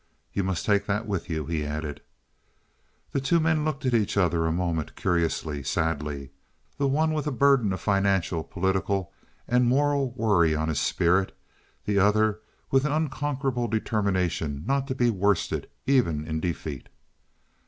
"You must take that with you," he added. The two men looked at each other a moment curiously, sadly—the one with a burden of financial, political, and moral worry on his spirit, the other with an unconquerable determination not to be worsted even in defeat.